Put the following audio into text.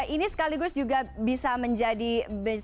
ini sekaligus juga bisa menjadi